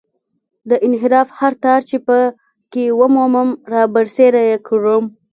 د انحراف هر تار چې په کې ومومم رابرسېره یې کړم.